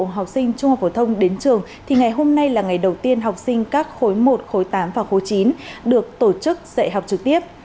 học sinh trung học phổ thông đến trường thì ngày hôm nay là ngày đầu tiên học sinh các khối một khối tám và khối chín được tổ chức dạy học trực tiếp